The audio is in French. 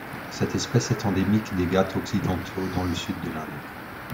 Cette espèce est endémique des Ghats occidentaux dans le sud de l'Inde.